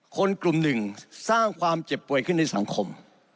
คนกลุ่มหนึ่งสร้างความเจ็บป่วยขึ้นในสังคม